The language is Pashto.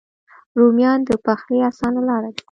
رومیان د پخلي آسانه لاره ده